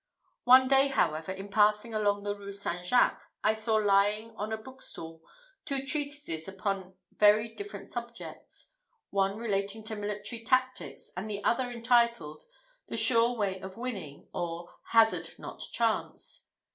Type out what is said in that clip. One day, however, in passing along the Rue St. Jacques, I saw lying on a book stall two treatises upon very different subjects; one relating to military tactics, and the other entitled "The Sure Way of Winning; or, Hazard not Chance."